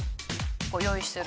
用意してる。